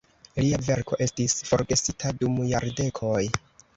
Lia verko estis forgesita dum jardekoj.